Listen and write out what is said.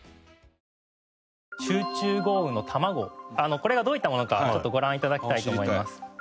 これがどういったものかちょっとご覧いただきたいと思います。